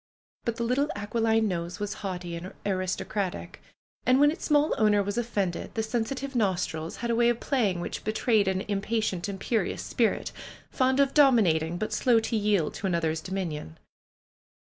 But the little aquiline nose was haughty and aristocratic, and when its small owner was offended, the sensitive nostrils had a way of playing which betray e d an impatient, imperioiis spirit, fond of dominating, but slow to yield to another's dominion.